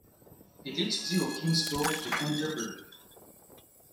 Il étudie au King’s School de Canterbury.